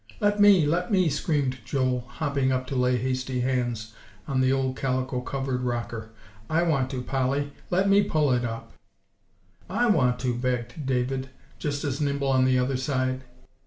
"Let me, let me!" screamed Joel, hopping up to lay hasty hands on the old calico covered rocker. "I want to, Polly; let me pull it up." "I want to," begged David, just as nimble on the other side.